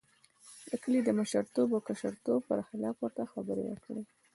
د کلي د مشرتوب او کشرتوب پر خلاف ورته خبرې وکړې.